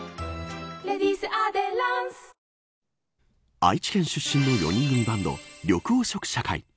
愛知県出身の４人組バンド緑黄色社会。